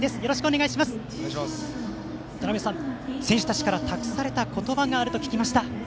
わたなべさん、選手たちから託された言葉があると聞きました。